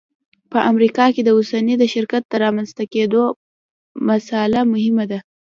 په امریکا کې د اوسپنې د شرکت د رامنځته کېدو مسأله مهمه ده